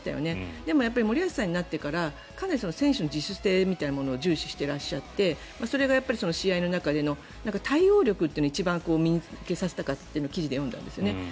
でも、森保さんになってからかなり選手の自主性みたいなものを重視していてそれが試合の中での対応力っていうのが一番身につけさせたかったって記事で読んだんですよね。